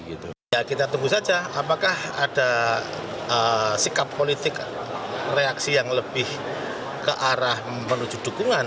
ya kita tunggu saja apakah ada sikap politik reaksi yang lebih ke arah menuju dukungan